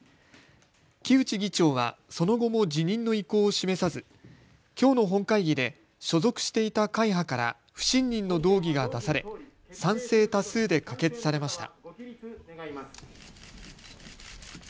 木内議長はその後も辞任の意向を示さず、きょうの本会議で所属していた会派から不信任の動議が出され賛成多数で可決されました。